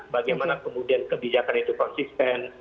bagaimana kemudian kebijakan itu konsisten